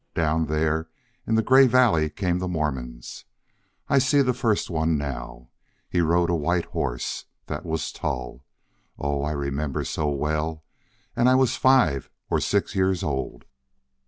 Down there in the gray valley came the Mormons. I see the first one now. He rode a white horse. That was Tull. Oh, I remember so well! And I was five or six years old.